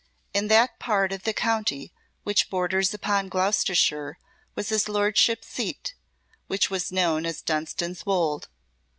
In that part of the county which borders upon Gloucestershire was his Lordship's seat, which was known as Dunstan's Wolde.